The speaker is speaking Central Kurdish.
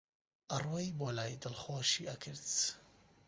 ئەڕۆیی بۆلای دڵخۆشی ئەکرد